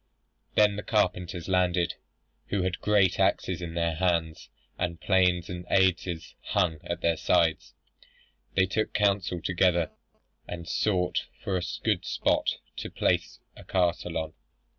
Then the carpenters landed, who had great axes in their hands, and planes and adzes hung at their sides. They took counsel together, and sought for a good spot to place a castle on.